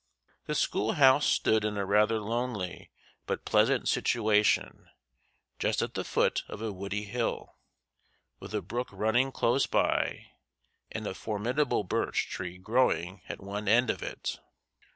The school house stood in a rather lonely but pleasant situation, just at the foot of a woody hill, with a brook running close by and a formidable birch tree growing at one end of it.